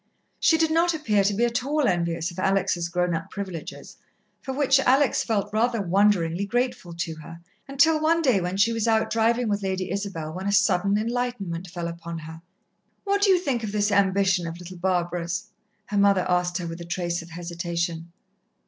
She did not appear to be at all envious of Alex' grown up privileges, for which Alex felt rather wonderingly grateful to her, until one day when she was out driving with Lady Isabel, when a sudden enlightenment fell upon her. "What do you think of this ambition of little Barbara's?" her mother asked her, with a trace of hesitation.